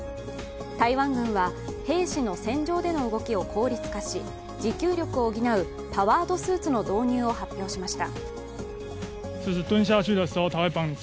台湾軍は兵士の戦場での動きを効率化し、持久力を補うパワードスーツの導入を発表しました。